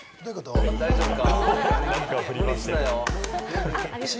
大丈夫か？